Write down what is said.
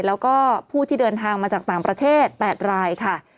แล้วก็ผู้ที่เดินทางมาจากต่างประเทศ๘รายค่ะ